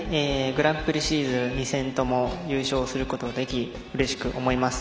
グランプリシリーズ２戦とも優勝することができうれしく思います。